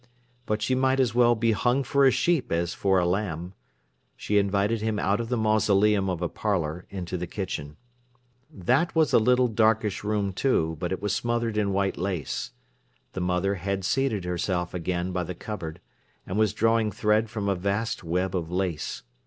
But she might as well be hung for a sheep as for a lamb. She invited him out of the mausoleum of a parlour into the kitchen. That was a little, darkish room too, but it was smothered in white lace. The mother had seated herself again by the cupboard, and was drawing thread from a vast web of lace.